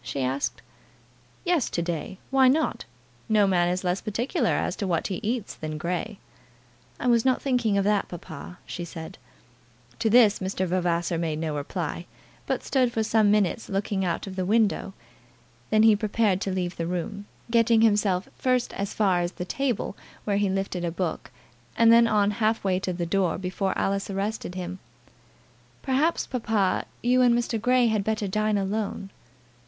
she asked. "Yes, to day. Why not? No man is less particular as to what he eats than Grey." "I was not thinking of that, papa," she said. To this Mr. Vavasor made no reply, but stood for some minutes looking out of the window. Then he prepared to leave the room, getting himself first as far as the table, where he lifted a book, and then on half way to the door before Alice arrested him. "Perhaps, papa, you and Mr. Grey had better dine alone."